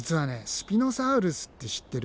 スピノサウルスって知ってる？